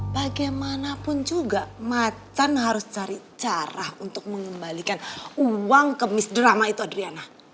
bagaimanapun juga macan harus cari cara untuk mengembalikan uang ke misdrama itu adriana